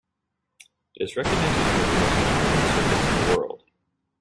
It is recognised as one of the most challenging circuits in the world.